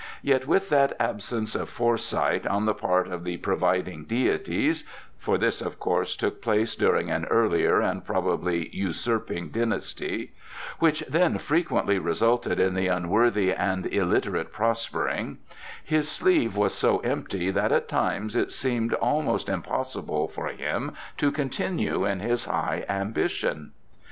Yet with that absence of foresight on the part of the providing deities (for this, of course, took place during an earlier, and probably usurping, dynasty), which then frequently resulted in the unworthy and illiterate prospering, his sleeve was so empty that at times it seemed almost impossible for him to continue in his high ambition.